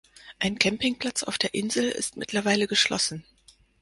Ein Campingplatz auf der Insel ist mittlerweile geschlossen.